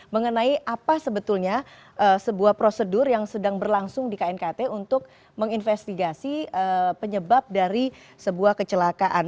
mengenai apa sebetulnya sebuah prosedur yang sedang berlangsung di knkt untuk menginvestigasi penyebab dari sebuah kecelakaan